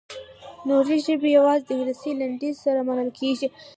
نورې ژبې یوازې د انګلیسي لنډیز سره منل کیږي.